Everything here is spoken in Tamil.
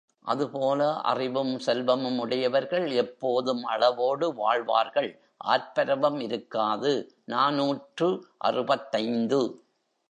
அதுபோல அறிவும் செல்வமும் உடையவர்கள் எப்போதும் அளவோடு வாழ்வார்கள் ஆர்ப்பரவம் இருக்காது! நாநூற்று அறுபத்தைந்து.